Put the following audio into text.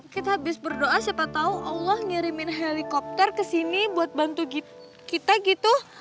kita habis berdoa siapa tau allah ngirimin helikopter kesini buat bantu kita gitu